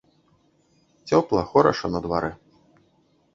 Цёпла, хораша на дварэ.